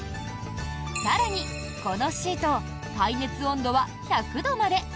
更に、このシート耐熱温度は１００度まで。